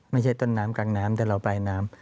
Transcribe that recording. ไม่ใช่ต้นน้ำกลางน้ำแต่เราปลายน้ำ